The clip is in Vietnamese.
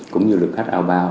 cũng như lượng khách ao bao